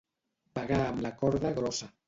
Pegar amb la corda grossa.